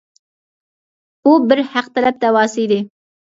بۇ بىر ھەق تەلەپ داۋاسى ئىدى.